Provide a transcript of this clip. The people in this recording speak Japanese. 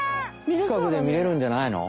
ちかくでみれるんじゃないの？